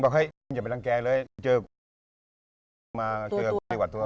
บอกให้อย่าไปรังแก่เลยเจอมาเจอตัว